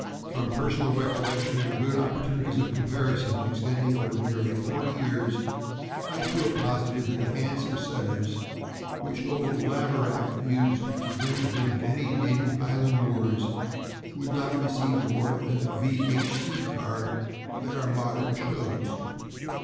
From personal recollection and good opportunities of com parison, extending over nearly forty years, I feel positive that the handsomest Setters which old Laverack used to bring with him to my native highland moors would not receive more than a V. H. C. card at our modern shows.